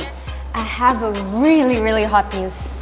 saya ada berita sangat panas